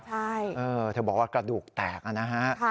ใช่บอกว่ากระดูกแตกนะคะค่ะ